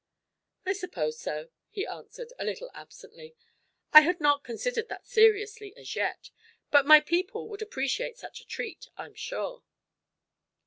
"I suppose so," he answered, a little absently. "I had not considered that seriously, as yet, but my people would appreciate such a treat, I'm sure."